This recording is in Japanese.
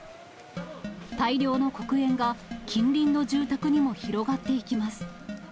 大量の黒煙が近隣の住宅にも広がっていきます。